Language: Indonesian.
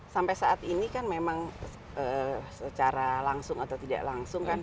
sampai saat ini kan memang secara langsung atau tidak langsung kan